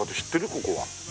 ここは。